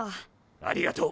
ありがとう。